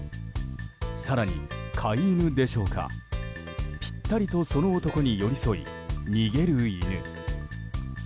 更に、飼い犬でしょうかぴったりとその男に寄り添い逃げる犬。